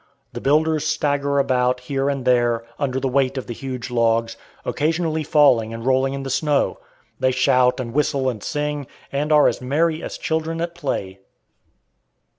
The builders stagger about here and there, under the weight of the huge logs, occasionally falling and rolling in the snow. They shout and whistle and sing, and are as merry as children at play.